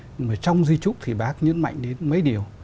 nhưng mà trong di trúc thì bác nhấn mạnh đến mấy điều